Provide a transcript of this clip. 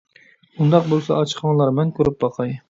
ئۇنداق بولسا ئاچىقىڭلار، مەن كۆرۈپ باقاي.